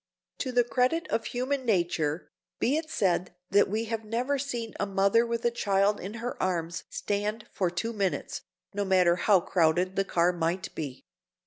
To the credit of human nature, be it said that we have never seen a mother with a child in her arms stand for two minutes, no matter how crowded the car might be.